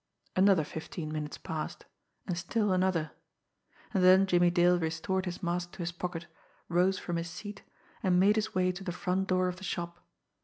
Another fifteen minutes passed, and still another and then Jimmie Dale restored his mask to his pocket, rose from his seat, and made his way to the front door of the shop.